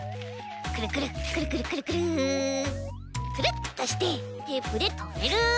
くるくるくるくるくるくるくるっとしてテープでとめる。